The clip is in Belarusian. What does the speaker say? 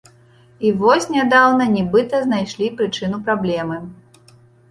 І вось нядаўна нібыта знайшлі прычыну праблемы.